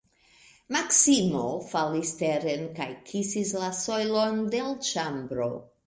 Maksimo falis teren kaj kisis la sojlon de l' ĉambro.